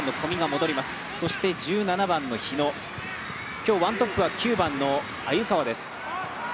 今日ワントップは９番の鮎川です。